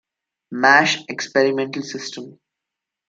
Mash experimental system.